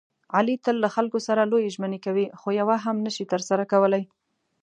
علي تل له خلکو سره لویې ژمنې کوي، خویوه هم نشي ترسره کولی.